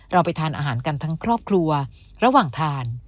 ไปทานอาหารกันทั้งครอบครัวระหว่างทาน